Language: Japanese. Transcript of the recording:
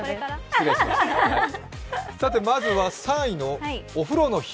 まずは３位の、お風呂の日。